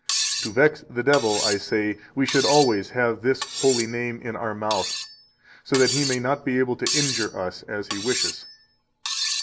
To vex the devil, I say, we should always have this holy name in our mouth, so that he may not be able to injure us as he wishes.